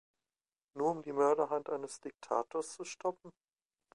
Nur um die Mörderhand eines Diktators zu stoppen?